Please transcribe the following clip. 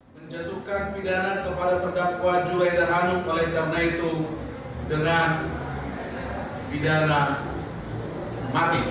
menjatuhkan pidana kepada terdakwa juleda hanum oleh karena itu dengan pidana mati